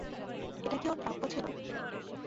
এটা কি ওর প্রাপ্য ছিল?